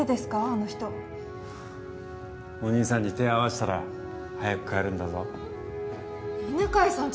あの人お兄さんに手合わせたら早く帰るんだぞ犬飼さん